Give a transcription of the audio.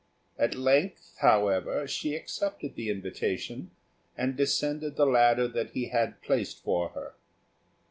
At length, however, she accepted the invitation, and descended the ladder that he had placed for her.